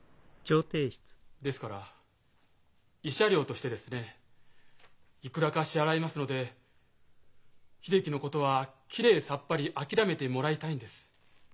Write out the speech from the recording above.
ですから慰謝料としてですねいくらか支払いますので秀樹のことはきれいさっぱり諦めてもらいたいんです。